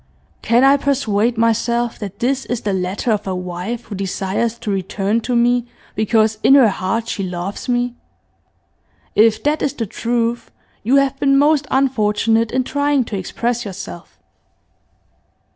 Can I persuade myself that this is the letter of a wife who desires to return to me because in her heart she loves me? If that is the truth you have been most unfortunate in trying to express yourself.